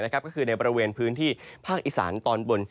ก็คือในบริเวณพื้นที่ภาคอีสานตอนบน